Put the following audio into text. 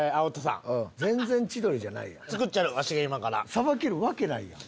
さばけるわけないやん。